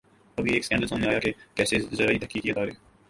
ابھی ایک سکینڈل سامنے آیا کہ کیسے زرعی تحقیقی ادارے